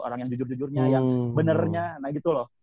orang yang jujur jujurnya yang benernya nah gitu loh